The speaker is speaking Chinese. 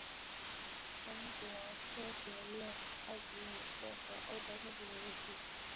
中国科学院外籍院士和欧洲科学院院士。